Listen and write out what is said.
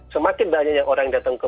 semakin banyaknya orang datang ke